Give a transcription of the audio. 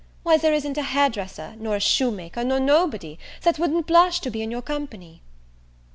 Why, there isn't a hairdresser, nor a shoemaker, nor nobody, that wouldn't blush to be in your company."